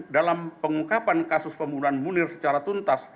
dalam pengungkapan kasus pembunuhan munir secara tuntas